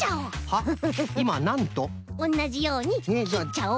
おんなじようにきっちゃおう。